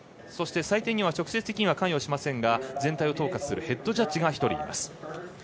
そして、採点には直接的には関与しませんが全体を統括するヘッドジャッジが１人います。